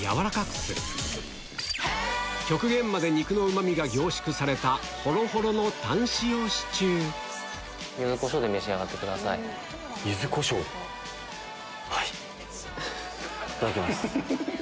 極限まで肉のうま味が凝縮されたホロホロのタン塩シチューいただきます。